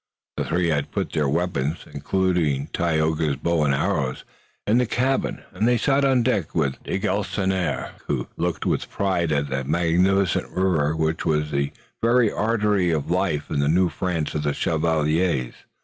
The three had put their weapons, including Tayoga's bow and arrows, in the cabin, and they sat on deck with de Galisonnière, who looked with pride at the magnificent river which was the very artery of life in the New France of the chevaliers.